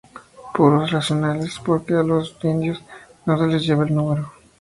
Puros racionales, porque a los indios no se les lleva el número""